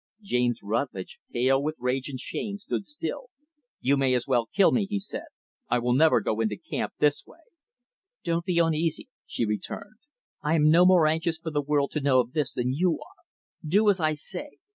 James Rutlidge, pale with rage and shame, stood still. "You may as well kill me," he said. "I will never go into camp, this way." "Don't be uneasy," she returned. "I am no more anxious for the world to know of this, than you are. Do as I say.